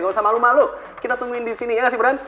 gak usah malu malu kita tungguin disini ya kan gibran